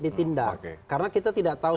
ditindak karena kita tidak tahu